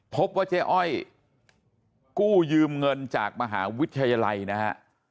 พบว่าเจ๊อ้อยกู้ยืมเงินจากมหาวิทยาลัยนะฮะ